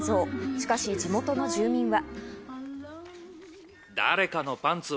しかし地元の住民は。